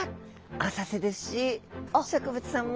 浅瀬ですし植物さんも。